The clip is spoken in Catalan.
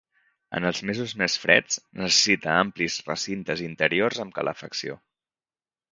En els mesos més freds necessita amplis recintes interiors amb calefacció.